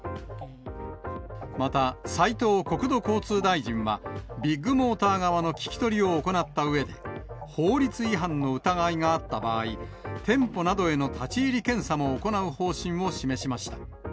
また、斉藤国土交通大臣はビッグモーター側の聞き取りを行ったうえで、法律違反の疑いがあった場合、店舗などへの立ち入り検査も行う方針を示しました。